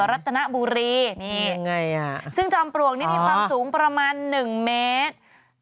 รัตนบุรีนี่ซึ่งจอมปลวกนี่มีความสูงประมาณ๑เมตร